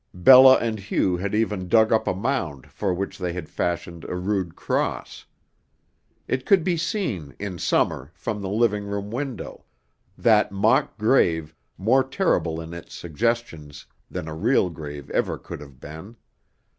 Bella and Hugh had even dug up a mound for which they had fashioned a rude cross. It could be seen, in summer, from the living room window that mock grave more terrible in its suggestions than a real grave ever could have been.